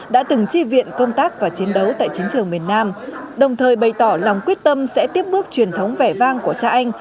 đã từng chi viện công tác và chiến đấu tại chiến trường miền nam đồng thời bày tỏ lòng quyết tâm sẽ tiếp bước truyền thống vẻ vang của cha anh